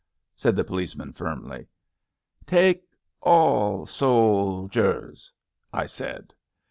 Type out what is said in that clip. ^' said the policeman firmly. Take all soldiers/' I said.